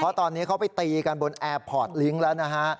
เพราะตอนนี้เขาไปตีกันบนแอร์พอร์ตลิงค์แล้วนะฮะ